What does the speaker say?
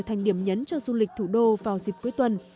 thành điểm nhấn cho du lịch thủ đô vào dịp cuối tuần